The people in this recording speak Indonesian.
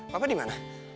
papa di mana